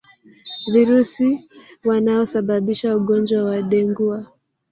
Virusi wanaosababisha ugonjwa wa dengua